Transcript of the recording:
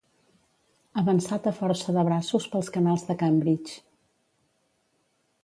Avançat a força de braços pels canals de Cambridge.